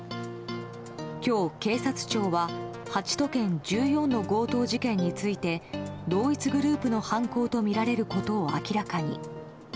今日、警察庁は８都県１４の強盗事件について同一グループの犯行とみられることを明らかに。